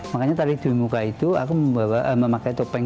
makanya tari dwi muka itu aku memakai topeng cantik di belakang